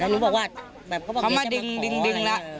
แล้วหนูบอกว่าเค้ามาดึงดึงดึงแล้ว